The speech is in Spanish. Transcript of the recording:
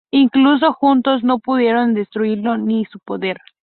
Incluso juntos, no pudieron destruirlo ni su poder.